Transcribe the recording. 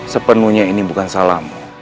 sepenuhnya ini bukan salahmu